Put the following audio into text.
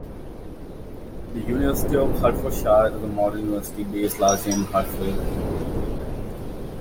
The University of Hertfordshire is a modern university based largely in Hatfield.